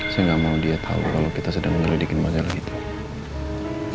saya gak mau dia tau kalau kita sedang ngelidikin masalah couple